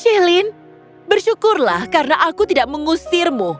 donna michelin bersyukurlah karena aku tidak mengusirmu